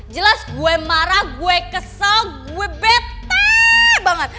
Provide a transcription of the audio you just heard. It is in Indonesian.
jelas gue marah gue kesel gue bete banget